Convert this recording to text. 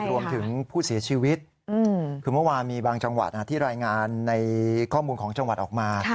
รวมถึงผู้เสียชีวิตคือเมื่อวานมีบางจังหวัดที่รายงานในข้อมูลของจังหวัดออกมา